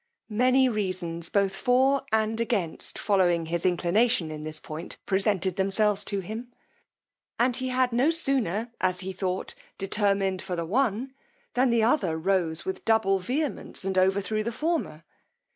Many reasons, both for and against following his inclination in this point, presented themselves to him; and he had no sooner, as he thought, determined for the one, than the other rose with double vehemence and overthrew the former.